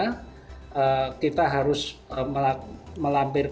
karena kita harus melampirkan